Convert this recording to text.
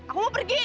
aku mau pergi